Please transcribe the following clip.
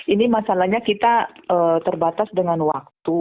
ini masalahnya kita terbatas dengan waktu